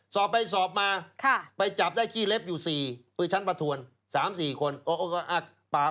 สอบไปสอบมาไปจับได้ขี้เล็บอยู่สี่คือชั้นประถวน๓๔คนโอ๊ะโอ๊ะโอ๊ะ